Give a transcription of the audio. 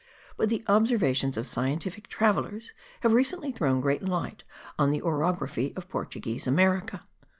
But the observations of scientific travellers have recently thrown great light on the orography of Portuguese America.